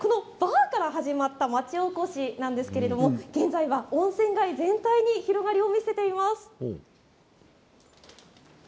このバーから始まった町おこしなんですが現在は温泉街全体に広がりを見せています。